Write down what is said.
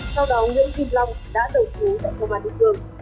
sau đó nguyễn kim long đã đầu cứu tại thông an địa phương